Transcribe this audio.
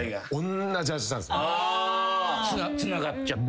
つながっちゃって。